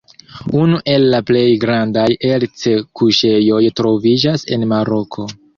Unu el la plej grandaj erc-kuŝejoj troviĝas en Maroko.